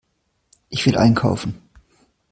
Ich will einkaufen.